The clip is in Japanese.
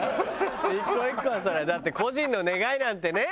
１個１個はそりゃだって個人の願いなんてね。